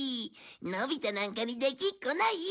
のび太なんかにできっこないよ。